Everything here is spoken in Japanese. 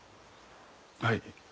はい。